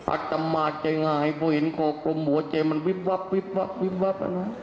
อัตมาใจหายพอเห็นคอกลมหัวใจมันวิบวับวิบวับวิบวับ